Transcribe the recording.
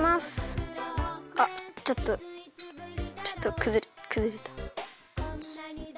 あっちょっとちょっとくずれた。